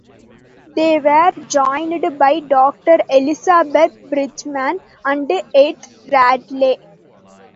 They were joined by Doctor Elizabeth Bridgeman and Edith Radley.